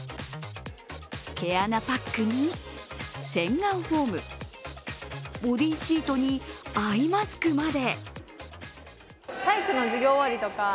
毛穴パックに洗顔フォーム、ボディーシートにアイマスクまで。